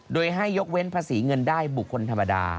โดยให้ยกเว้นภาษีเงินได้บุคคลธรรมดา